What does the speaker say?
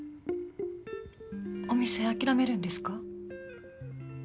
お店諦めるんですか？